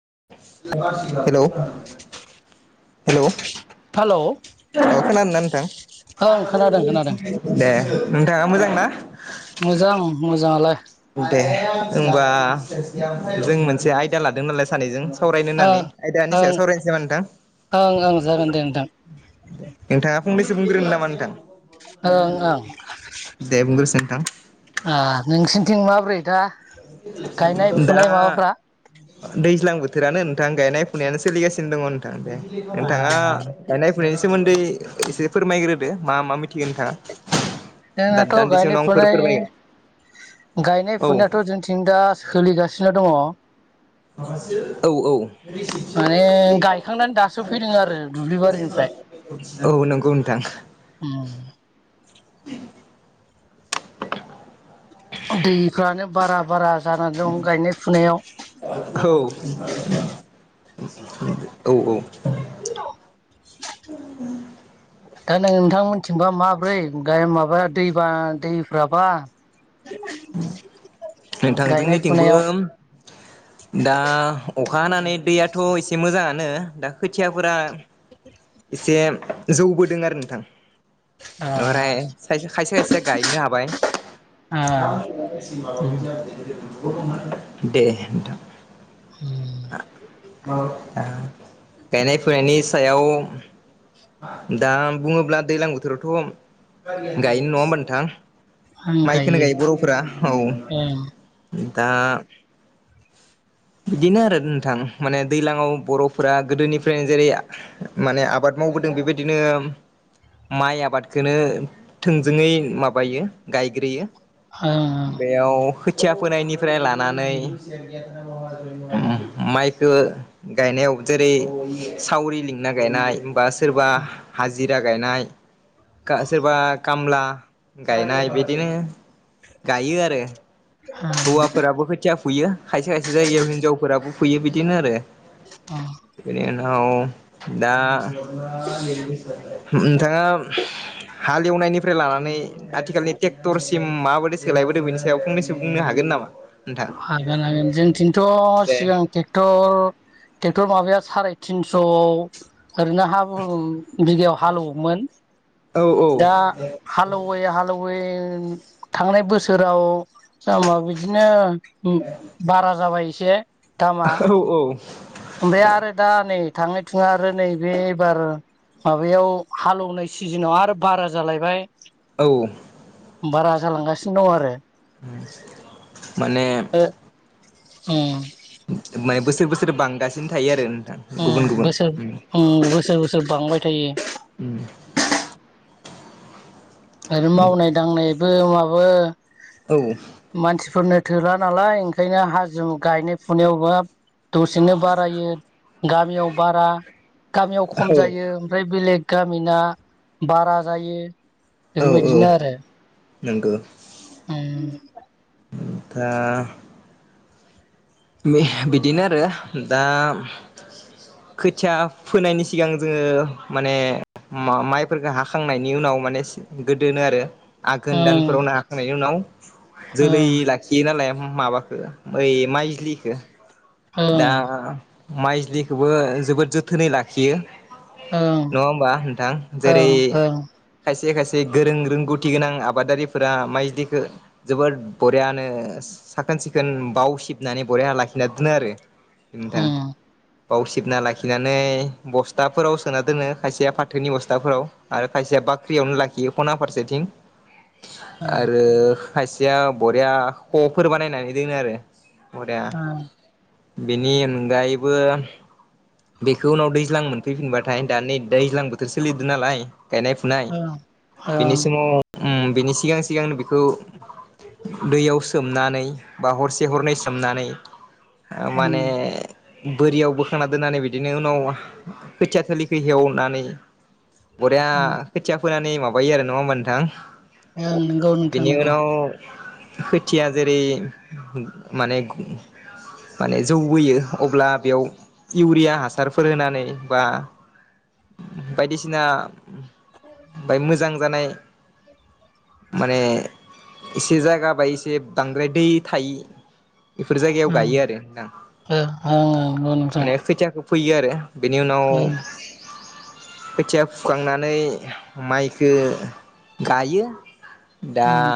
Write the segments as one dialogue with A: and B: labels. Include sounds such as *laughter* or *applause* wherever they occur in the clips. A: हेल' hello.
B: Hello.
A: खोनादोंना नोंथां दे नोंथाङा मोजां ना।
B: मोजां मोजाङालाय
A: दे होनबा जों मोनसे आयदा लादों नालाय सानैजों। सावरायनो होननानै
B: ओं
A: आयदानि
B: ओं
A: सायाव सावरायनोसै नामा नोंथां।
B: ओं ओं जागोन दे नोंथां
A: नोंथाङा फंनैसो बुंग्रोनोन नामा नोंथां।
B: ओं ओं
A: दे बुंग्रोसै नोंथां
B: नोंसिम *unintelligible* माबोरै दा? गायनाय
A: *unintelligible* दा
B: फुनाय माबाफ्रा
A: दैज्लां बोथो बोथोरानो नोंथां गायनाय फुनायानो सोलिगानो दङ नोंथां,
B: ओ
A: नोंथाङा गायनाय फुनायनि सोमोन्दै एसे फोरमायग्रोदो मा मा मिथियो नोंथाङा। दा
B: जोंनाथ'
A: दान्दिसे
B: गायनाय
A: उनाव आंफोर
B: फुनाय
A: फोरमायगोन
B: गायनाय
A: औ
B: फुनायाथ' जोंथिं जोंथि दा सोलिगासिनो दङ'।
A: *unintelligible* औ औ।
B: माने गायखांनानै दासो फैदों आरो दुब्लि बारिनिफ्राय।
A: औ नंगौ नोंथां
B: उम।
A: *inaudible*
B: दैफ्रानो बारा बारा जानानै दं गायनाय फुनायाव।
A: औ औ औ। *unintelligible*
B: दा नोंथांमोनथिंबा माब्रै गाय माबाया दैबा दैफ्राबा। *inaudible*
A: नोंथां
B: गायनाय
A: जोंनिथिंबो
B: फुनायाव
A: दा अखा हानानै दैया याथ' एसे मोजाङानो दा खोथियाफोरा एसे जौबोदों आरो नोंथां।
B: ओ
A: आमफ्राय खायसे खायसेया गायनो हाबाय।
B: आ
A: *unintelligible* *unintelligible* दे नोंथां।
B: उम।
A: *unintelligible* गायनाय फुनायनि सायाव दा बुङोब्ला दैज्लां बोथोरावथ' गायो नङा होमबा नोंथां? माइ खोनो गायो बर'फोरा औ
B: ओं
A: दा
B: *inaudible*
A: बिदिनो आरो नोंथां माने दैलांआव बर'फोरा गोदोनिफ्रायनो जेरै माने आबाद माव बोदों बेबायदिनो माइ आबादखोनो थोंजोङै माबायो गायग्रोयो।
B: ओं ओं
A: बेयाव खोथिया फोनायनिफ्राय लानानै मा-माइखो गायनायाव जेरै सावरि लिंना गायनाय बा सोरबा हा-हाजिरा गायनाय सोरबा खामला गायनाय बिदिनो गायो आरो। हौवाफोराबो खोथिया फुयो खायसे खायसे जायगायाव हिनजावफोराबो फुयो बिदिनो आरो।
B: ओं
A: *unintelligible* औ दा नोंथाङा हालेवनायनिफ्राय लानानै आथिखालनि ट्रेक्टरसिम माबादि सोलायबोदो बेनि सायाव फंनैसो बुंनो हागोन नामा? नोंथां
B: हागोन हागोन जोंथिंथ'
A: दे
B: सिगां ट्रेक्टर ट्रेक्टर माबाया साराय थिनस' ओरैनो हा *unintelligible* बिगायाव हालोवोमोन।
A: औ औ
B: दा हालौयै हालौ यै थांनाय बोसोराव दामा बिदिनो बारा जाबाय एसे। दामा
A: औ औ।
B: ओमफ्राय आरो दा नै थाङै थुङै आरो नै बे एबार माबायाव हालौनाय सिजोनाव आरो बारा जालायबाय।
A: औ।
B: बारा जालांगासिनो दं आरो।
A: माने
B: अह।
A: माने बोसोर बोसोर बांगासिनो थायो आरो। नोंथां गुबुन
B: उम
A: गुबुन
B: बोसोर उम बोसोर बोसोर बांबाय थायो।
A: उम।
B: आरो मावनाय दांनायबो माबो
A: औ
B: मानसिफोरनो थोला नालाय ओंखायनो हाजो गायनाय फुनायावबो दसेनो बारायो गामियाव बारा गामियाव
A: औ
B: खम जायो ओमफ्राय बेलेग गामिना बारा जायो बेफोरबायदिनो आरो।
A: नोंगौ।
B: *inaudible*
A: *unintelligible* बिदिनो आरो दा खोथिया फोनायनि सिगां जोङो माने मा-माइफोरखो हाखांनायनि उनाव माने गोदोनो आरो आघोन दानफोराव नो हाखांनायनि उनाव जोलै
B: ओं
A: लाखियो नालाय माबाखो बै माइज्लिखो
B: ओं
A: दा माइज्लिखौबो जोबोद जोथोनै लाखियो।
B: ओं
A: नङा होमबा नोंथां जेरै
B: ओं
A: खायसे खायसे गोरों रोंगौथि गोनां आबादारिफोरा माइज्लिखो जोबोर बरियानो साखोन सिखोन बाव सिबनानै बरिया लाखिना दोनो आरो
B: ओं
A: नोंथां।
B: उम
A: बावसिबना लाखिनानै बस्थाफोराव सोना दोनो खायसेया फाथोनि बस्थाफोराव आरो खायसेया बाख्रियावनो लाखियो खना फारसेथिं
B: ओं
A: आरो खायसेया बरिया खफोर बानायनानै दोनो आरो। बरिया
B: ओं
A: बेनि अनगायैबो। बेखौ उनाव दैज्लां मोनफैफिनबाथाय दानि नै दैज्लां बोथोर सोलिदों नालाय। गायनाय फुनाय बिनि
B: ओं ओं
A: समाव बिनि सिगां सिगां बेखौ। दैयाव सोमनानै बा हरसे हरनै सोमनानै।
B: उम
A: माने बोरियाव बोखांना दोननानै बिदिनो उनाव। खोथिया थोलिखौ हेवनानै बरिया
B: उम
A: खोथिया फोनानै। नै माबायो आरो नङा होमबा नोंथां
B: ओं नंगौ नोंथां
A: बिनि
B: नंगौ
A: उनाव। खोथिया जेरै माने माने जौ बोयो अब्ला बेयाव इउरिया हासारफोर होनानै बा। बायदिसिना बाय मोजां जानाय। माने एसे जायगाबा एसे बांद्राय दै थायि। बेफोर जायगायाव
B: ओं
A: गायो आरो नोंथां
B: ओं ओं नंगौ नोंथां
A: माने खैथियाखौ। फैयो आरो बेनि उनाव।
B: ओं
A: खोथिया फुखांनानै माइखो गायो। दा
B: ओं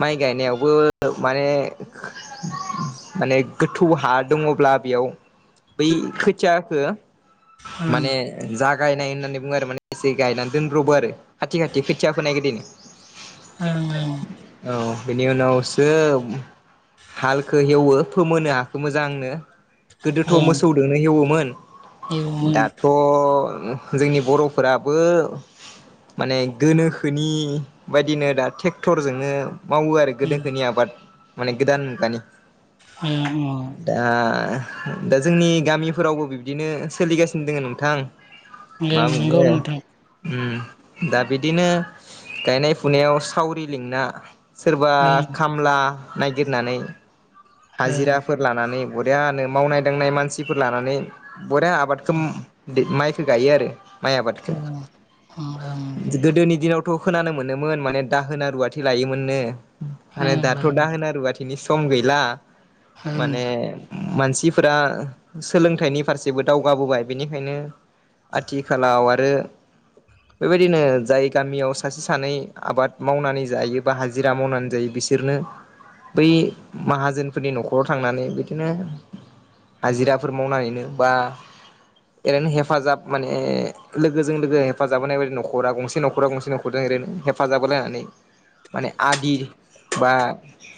A: माइ गायनायावबो माने माने गोथौ हा दङब्ला बेयाव बै खोथियाखो-
B: ओं
A: माने जा। गायनाय होननानै बुङो आरो माने एसे गायनानै दोनब्रबो आरो खाथि खाथि खोथिया फोनाय गोदोन
B: ओं
A: औ बिनि उनाव सो। हालखौ हेवो फोमोनो हाखौ मोजांनो। गोदोथ
B: ओं
A: मोसौजोंनो हेवोमोन
B: एवमोन
A: दाथ जोंनि बरफोराबो। माने गोनोखोनि बायदिनो दा ट्रेक्टरजोंनो। मावो आरो
B: ओं
A: गोनोखोनि आबाद माने गोदान मुगानि।
B: आ औ
A: दा दा जोंनि गामिफोरावबो बिब्दिनो सोलिगासिनो दङ नोंथां। मा
B: नंगौ
A: बुंनो
B: नोंथां
A: दा बिदिनो गायनाय फुनायाव सावरि लिंना सोरबा
B: ओं
A: खामला नागिरनानै
B: ओं
A: हाजिराफोर लानानै बरियानो मावनाय दांनाय मानसिफोर लानानै बरिया आबादखौ
B: ओं
A: माइखो गायो आरो माइ आबादखौ
B: ओं ओं
A: गोदोनि दिनावथ' खोनानो मोनोमोन माने दाहोना रुवाथि लायोमोननो माने दाथ'
B: ओंलाय
A: दाहोना रुवाथिनि सम गैला
B: ओं
A: माने मानसिफोरा सोलोंथाइनि फारसेबो दावगाबोबाय बेनिखायनो आथिखालाव आरो बेबायदिनो जाय गामियाव सासे सानै आबाद मावनानै जायो बा हाजिरा मावनानै जायो बिसोरनो बै माहाजोन फोरनि न'खराव थांनानै बिदिनो हाजिराफोर मावनानैनो बा ओरैनो हेफाजाब माने लोगोजों लोगो हेफाजाब होनाय बायदि न'खरा गंसे न'खरा गंसे न'खर ओरैनो हेफाजाब होलायनानै माने आदि बा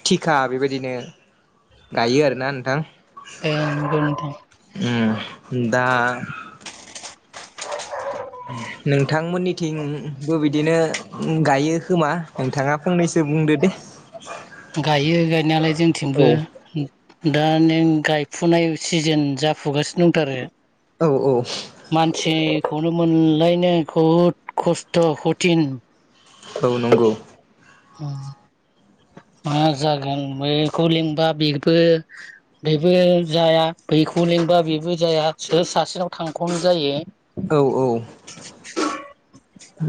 A: थिखा बेबायदिनो गायो आरोना नोंथां
B: ओं नंगौ नोंथां
A: ओम दा नोंथांमोननिथिंबो बिदिनो गायो खोमा नोंथाङा फंनैसो बुंदो दे
B: गायो गायनायालाय
A: औ
B: जोंथिंबो दा नों गायफुनाय सिजोन जाफुगासिनो दंथारो
A: औ औ
B: खौनो मोनलायनाय बुहुद खस्थ' कतिन
A: औ नंगौ
B: औ मा जागोन बैखौ लिंबा बेबो बेबो जाया बैखौ लें होनबा बेबो जाया सोर सासेनाव थांखनो जायो।
A: औ औ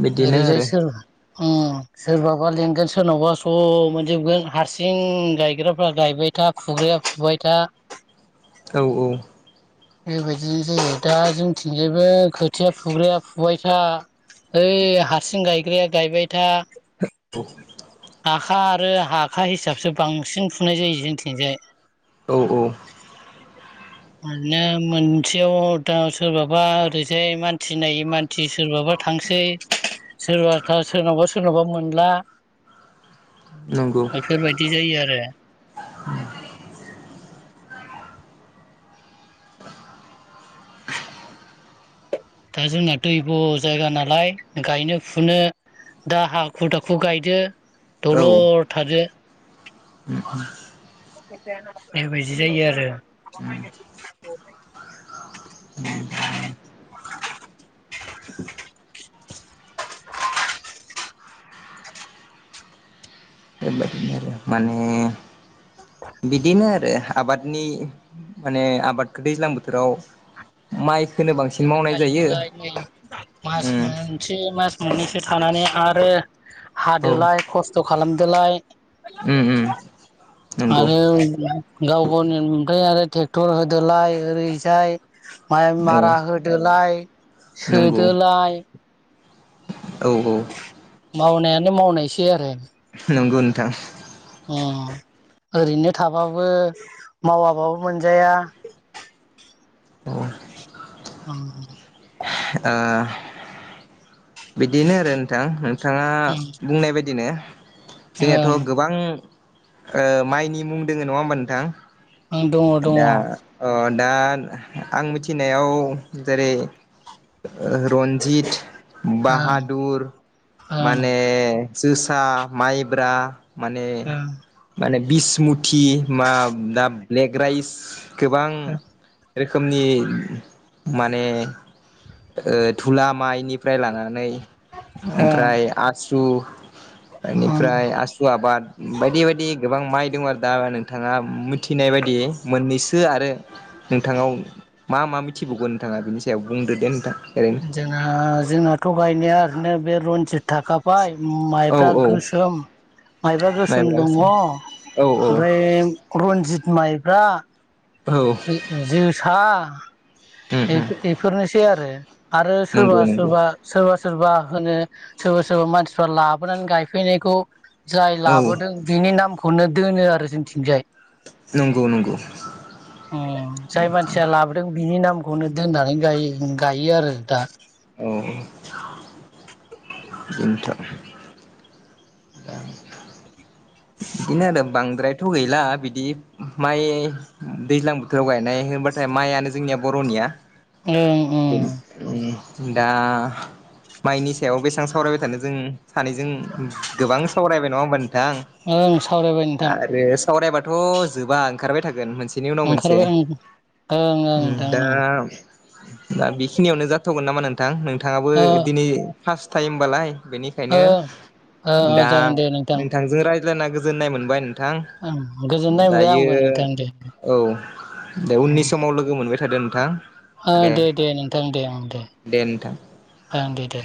A: बिदिनो
B: ओरैजाय
A: आरो
B: सोर उम सोरबाबा लेंगोन सोरनावबा सब मोनजोबगोन हारसिं गायग्राफ्रा गायबाय था फुग्राया फुबाय था
A: औ औ
B: बेबायदिनो जायो दा जोंथिंजायबो खोथिया फुग्राया फुबाय था ओइ हारसिं गायग्राया गायबाय था
A: *inaudible*
B: आखा आरो हाखा हिसाबसो बांसिन फुनाय जायो जोंथिंजाय
A: औ औ
B: नो मोनसेयाव दा सोरबाबा ओरैजाय मानसि नायै मानसि सोरबाबा थांसै सोरबाथ सोरनावबा सोरनावबा मोनला
A: नंगौ
B: बेफोरबायदि जायो आरो
A: *unintelligible*
B: दा जोंना दैब' जायगा नालाय गायनो फुनो दा हाखु दाखु गायदो
A: औ
B: दलर थादो।
A: *unintelligible*
B: बेबायदि जायो आरो *unintelligible*
A: बेबायदिनो आरो माने बिदिनो आरो आबादनि माने आबादखो दैज्लां बोथोराव माइक
B: आरो गायदोलाय नै मास
A: उम
B: मोनसे मास मोननैसो थानानै आरो
A: औ
B: हादोलाय खस्थ' खालामदोलाय
A: उम उम नंगौ
B: आरो गाव गावनि ओमफ्राय आरो ट्रेक्टर होदोलाय ओरैजाय माइ
A: औ
B: मारा होदोलाय
A: नंगौ
B: सोदोलाय
A: औ औ
B: मावनायानो मावनायसै आरो।
A: नंगौ नोंथां।
B: अ ओरैनो थाबाबो मावाबाबो मोनजाया
A: *unintelligible*
B: ओं
A: ओ बिदिनो आरो नोंथां नोंथाङा
B: ओं
A: बुंनाय बायदिनो जोंनियाथ'
B: ओं
A: गोबां ओ माइनि मुं दोङो नङा होमबा नोंथां।
B: ओं दङ दङ ओं
A: दा
B: ओं
A: अन दा आं मिथिनायाव जेरै ओ रनजित बाहादुर माने जोसा माइब्रा माने माने बिसमुथि मा दाब ब्लेक राइस गोबां रोखोमनि माने ओ थुला माइनिफ्राय लाना नै
B: ओं ओं
A: ओमफ्राय आसु ओनिफ्राय
B: ओं
A: आसु आबाद बायदि बायदि गोबां माइ दं आरो दा नोंथाङा मिथिनाय बायदि मोननैसो आरो नोंथाङाव मा मा मिथिबावगोन नोंथाङा बेनि सायाव बुंदो दे नोंथां। ओरैनो
B: जोंहा जोंनाथ' गायनाया ओरैनो बे रन्जित थाखाबाय
A: औ
B: माइब्रा
A: औ
B: गोसोम माइब्रा गोसोम दङ।
A: औ औ
B: ओमफ्राय रन्जित माइब्रा
A: औ
B: जो-जोसा
A: उम
B: बे- बेफोरनोसै आरो आरो
A: नंगौ
B: सोरबा
A: नंगौ
B: सोरबा सोरबा सोरबा होनो सोरबा सोरबा मानसिफ्रा लाबोनानै गायफैनायखौ जाय
A: औ
B: लाबोदों बिनि नामखौनो दोनो आरो जोंथिंजाय
A: नंगौ नंगौ
B: उम जाय मानसिया लाबोदों बिनि नाम खौनो दोननानै गाय गायो आरो दा
A: औ नोंथा ओं बिदिनो आरो बांद्रायथ' गैला बिदि माइ दैज्लां बोथोराव गायनाय होबाथाय माइयानो जोंनिया बर'निया
B: ओं ओं
A: दा माइनि सायाव बेसेबां सावरायबाय थानो जों सानैजों गोबां सावरायबाय नङा होमबा नोंथां।
B: ओं सावरायबाय नोंथां
A: आरो सावरायबाथ' जोबा ओंखारबाय थागोन मोनसेनि उनाव मोनसे
B: ओंखारबाय ओं ओं ओं नोंथां ओं
A: दा- दा बेखिनियावनो जाथ' गोन नामा नोंथां नोंथाङाबो
B: ओ
A: दिनै फार्स्ट टाइम बालाय बेनिखायनो
B: ओ ओ ओ
A: दा
B: जागोन दे नोंथां
A: नोंथांजों रायज्लायना गोजोननाय मोनबाय। थां
B: ओं गोजोननाय मोनबाय
A: दायो
B: आंबो नोंथां दे
A: औ दे उननि समाव लोगो मोनबाय था होदो नोंथां
B: ओ दे दे नोंथां दे ओं दे ओ दे दे